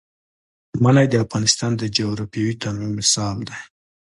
منی د افغانستان د جغرافیوي تنوع مثال دی.